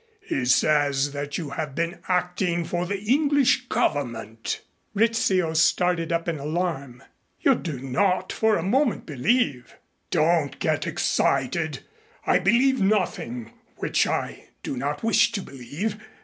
"He says that you have been acting for the English Government." Rizzio started up in alarm. "You do not for a moment believe " "Don't get excited. I believe nothing which I do not wish to believe.